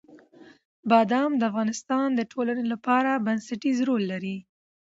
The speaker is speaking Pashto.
بادام د افغانستان د ټولنې لپاره بنسټيز رول لري.